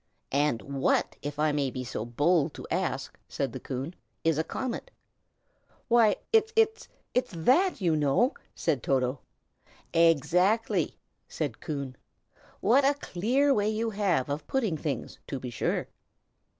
"And what, if I may be so bold as to ask," said Coon, "is a comet?" "Why, it's it's THAT, you know!" said Toto. "Exactly!" said Coon. "What a clear way you have of putting things, to be sure!"